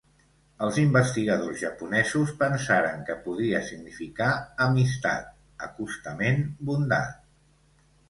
Els investigadors japonesos pensaren que podia significar amistat, acostament, bondat.